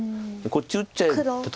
こっち打っちゃって。